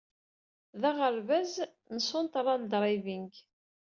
D aɣerbaz n Central Driving?